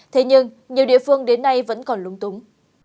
thế nhưng nhiều địa phương đến nay vẫn còn lung túng